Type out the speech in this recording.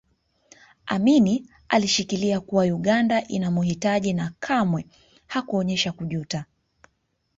Amin alishikilia kuwa Uganda inamuhitaji na kamwe hakuonyesha kujuta